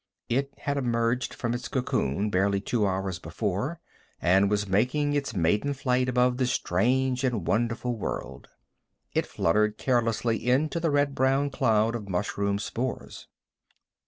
It had emerged from its cocoon barely two hours before, and was making its maiden flight above the strange and wonderful world. It fluttered carelessly into the red brown cloud of mushroom spores.